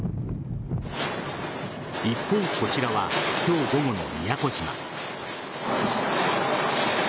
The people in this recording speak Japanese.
一方、こちらは今日午後の宮古島。